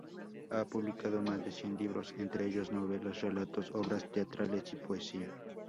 Ha publicado más de cien libros, entre ellos novelas, relatos, obras teatrales y poesía.